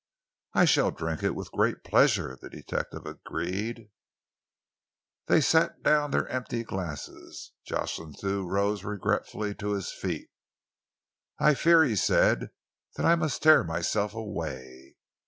"I shall drink it with great pleasure," the detective agreed. They set down their empty glasses. Jocelyn Thew rose regretfully to his feet. "I fear," he said, "that I must tear myself away.